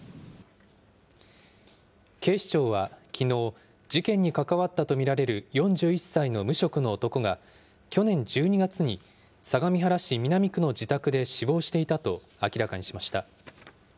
警視庁はきのう、事件に関わったと見られる４１歳の無職の男が、去年１２月に、相模原市南区の自宅で死亡していたと明らかにしました。